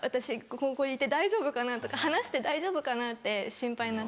ここにいて大丈夫かなとか話して大丈夫かなって心配になっちゃいます。